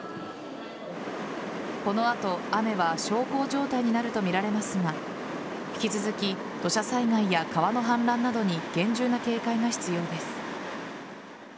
この後、雨は小康状態になるとみられますが引き続き土砂災害や川の氾濫などに厳重な警戒が必要です。